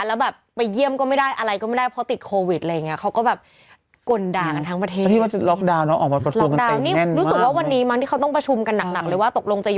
แล้วแบบไปเยี่ยมก็ไม่ได้อะไรก็ไม่ได้เพราะติดโควิดอะไรอย่างนี้